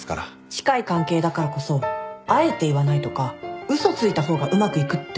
近い関係だからこそあえて言わないとか嘘ついた方がうまくいくってこともありますよね？